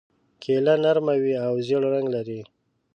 کیله نرمه وي او ژېړ رنګ لري.